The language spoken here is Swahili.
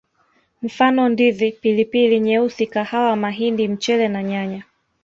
Mfano Ndizi Pilipili nyeusi kahawa mahindi mchele na nyanya